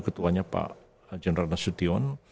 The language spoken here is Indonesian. ketuanya pak general nasution